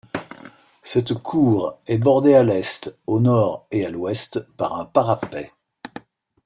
Cette cour est bordée à l'est, au nord et à l’ouest par un parapet.